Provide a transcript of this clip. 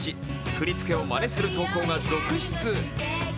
振り付けをまねする投稿が続出。